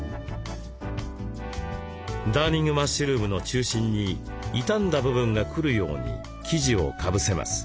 ダーニングマッシュルームの中心に傷んだ部分が来るように生地をかぶせます。